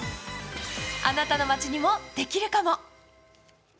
あなたの街にもできるかも。